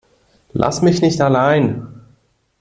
Lass mich nicht allein.